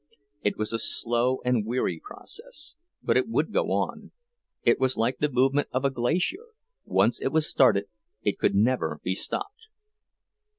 It was a slow and weary process, but it would go on—it was like the movement of a glacier, once it was started it could never be stopped.